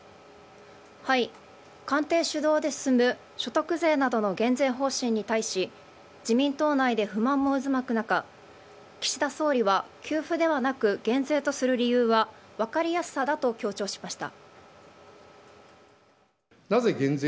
官邸主導で進む所得税などの減税方針に対し自民党内で不満も渦巻く中岸田総理は給付ではなく減税とする理由は分かりやすさだと強調しました。